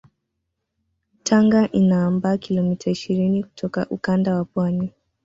Tanga inaambaa kilomita ishirini kutoka ukanda wa pwani